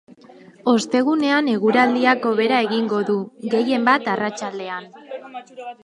Ostegunean eguraldiak hobera egingo du, gehienbat arratsaldean.